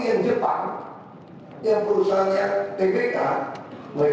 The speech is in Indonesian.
akibat dia membatalkan ini